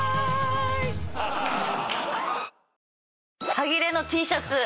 端切れのＴシャツ